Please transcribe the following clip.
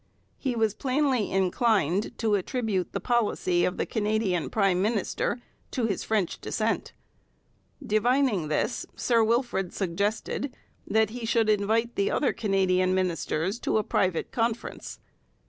He was plainly inclined to attribute the policy of the Canadian prime minister to his French descent. Divining this, Sir Wilfrid suggested that he should invite the other Canadian ministers to a private conference.